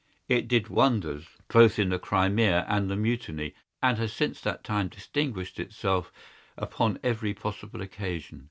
It did wonders both in the Crimea and the Mutiny, and has since that time distinguished itself upon every possible occasion.